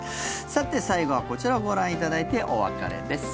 さて、最後はこちらをご覧いただいてお別れです。